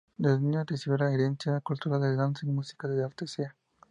Desde niño recibió la herencia cultural de la danza y música de artesa.